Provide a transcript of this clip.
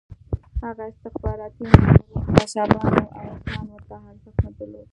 هغه استخباراتي مامورین قصابان وو او انسان ورته ارزښت نه درلود